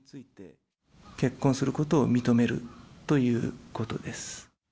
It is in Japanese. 結婚することを認めるということです。